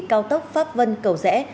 cao tốc pháp vân cầu rẽ